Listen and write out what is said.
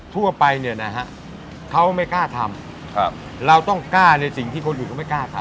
ทั่วไปเนี่ยนะฮะเขาไม่กล้าทำเราต้องกล้าในสิ่งที่คนอื่นเขาไม่กล้าทำ